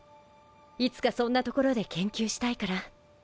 いつかそんな所で研究したいから。